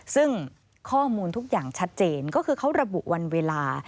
ซึ่งข้อมูลทุกอย่างชัดเจนก็คือเขาระบุวันเวลา